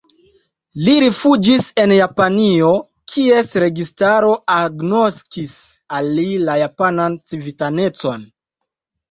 Li rifuĝis en Japanio, kies registaro agnoskis al li la japanan civitanecon.